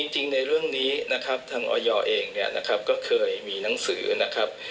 ในเรื่องนี้นะครับทางออยเองเนี่ยนะครับก็เคยมีหนังสือนะครับ